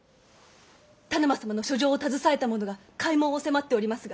田沼様の書状を携えたものが開門を迫っておりますが。